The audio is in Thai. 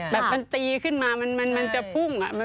แบบมันตีขึ้นมามันจะพุ่ง